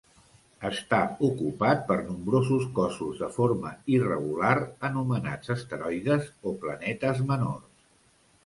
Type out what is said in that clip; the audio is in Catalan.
Està ocupat per nombrosos cossos de forma irregular anomenats asteroides o planetes menors.